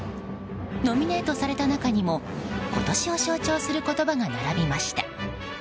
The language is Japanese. ノミネートされた中にも今年を象徴する言葉が並びました。